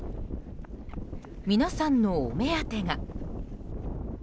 皆さんのお目当てが。